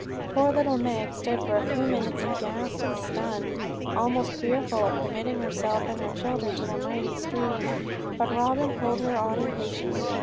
Poor little Meg stood for a few minutes aghast and stunned, almost fearful of committing herself and her children to the mighty stream; but Robin pulled her on impatiently.